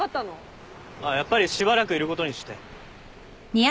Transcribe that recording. やっぱりしばらくいることにして。